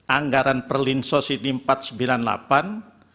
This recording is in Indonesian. anggaran perlinsos ini rp empat sembilan puluh delapan triliun